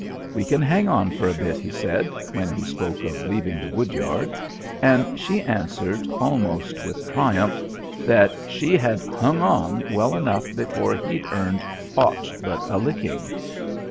"We can hang on for a bit," he said, when he spoke of leaving the wood yard; and she answered, almost with triumph, that she had "hung on" well enough before he'd earned "aught but a licking."